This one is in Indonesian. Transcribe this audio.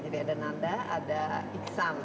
jadi ada nanda ada iksan